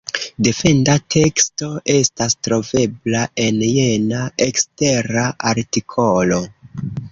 Defenda teksto estas trovebla en jena ekstera artikolo.